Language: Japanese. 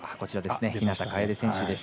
日向楓選手です。